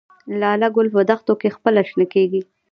لاله ګل په دښتو کې پخپله شنه کیږي؟